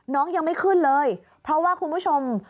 ยังไม่ขึ้นเลยเพราะว่าคุณผู้ชม